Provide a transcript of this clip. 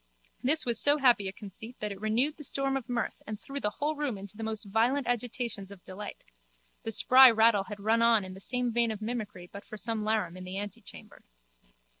This was so happy a conceit that it renewed the storm of mirth and threw the whole room into the most violent agitations of delight. The spry rattle had run on in the same vein of mimicry but for some larum in the antechamber.